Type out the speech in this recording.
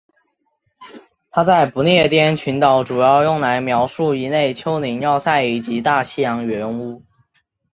它在不列颠群岛主要用来描述一类丘陵要塞以及大西洋圆屋。